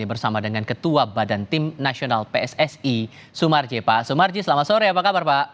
dan saya berharap tidak masalah siapa yang menang